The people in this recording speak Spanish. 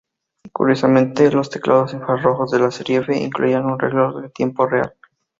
Curiosamente, los teclados infrarrojos de la serie F incluían un reloj de tiempo real.